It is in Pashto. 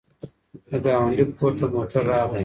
د ګاونډي کور ته موټر راغی.